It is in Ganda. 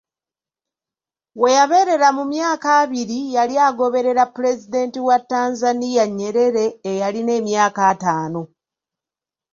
We yabeerera mu myaka abiri, yali agoberera Pulezidenti wa Tanzania Nyerere eyalina emyaka ataano.